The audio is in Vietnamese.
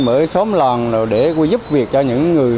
mở xóm làng để giúp việc cho những người